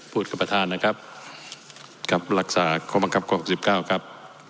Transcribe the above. พูดกับประธานนะครับครับรักษาข้อมังคับข้อหกสิบเก้าครับ